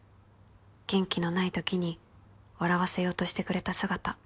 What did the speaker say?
「元気のない時に笑わせようとしてくれた姿」